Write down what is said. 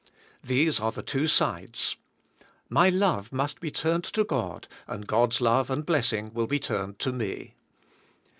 These are the two sides. My love must be turned to God and God's love and blessing will be turned to me.